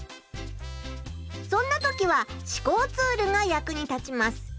そんな時は思考ツールが役に立ちます。